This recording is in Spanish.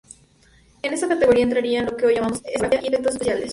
En esta categoría entrarían lo que hoy llamamos escenografía y efectos especiales.